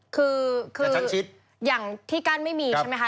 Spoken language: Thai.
คืออย่างที่กั้นไม่มีใช่ไหมคะ